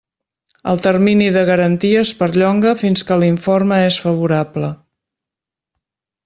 El termini de garantia es perllonga fins que l'informe és favorable.